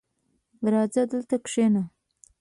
• راځه، دلته کښېنه.